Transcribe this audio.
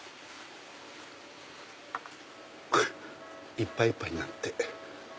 いっぱいいっぱいになって。